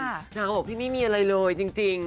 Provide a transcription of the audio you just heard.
นางบอกพี่ไม่มีอะไรเลยจริง